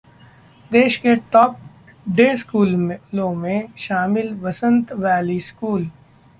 देश के top day स्कूलों में शामिल वसंत वैली स्कूल